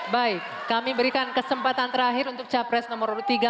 baik kami berikan kesempatan terakhir untuk capres nomor tiga